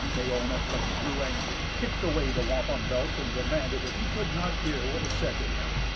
Neyon at length grew angry, kicked away the wampum belt, and demanded if he could not hear what was said to him.